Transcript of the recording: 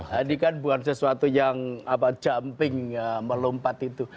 jadi kan bukan sesuatu yang jumping melompat itu